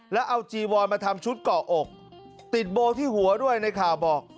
แล้วเอาจีวอนมาทำชุดเกาะอกติดโบที่หัวด้วยในข่าวบอก